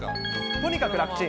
とにかく楽ちん。